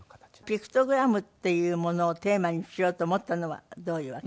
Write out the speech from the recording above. ピクトグラムっていうものをテーマにしようと思ったのはどういうわけ？